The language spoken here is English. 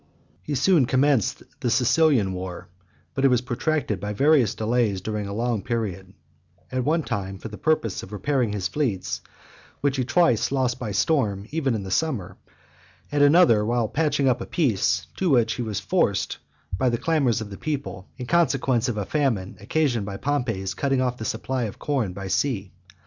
XVI. He soon commenced the Sicilian war, but it was protracted by various delays during a long period ; at one time for the purpose of repairing his fleets, which he lost twice by storm, even in the summer; at another, while patching up a peace, to which he was forced by the clamours of the people, in consequence of a famine occasioned by Pompey's cutting off the supply of corn by sea.